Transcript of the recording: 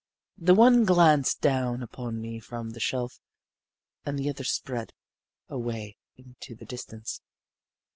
The one glanced down upon me from the shelf, and the other spread away into the distance.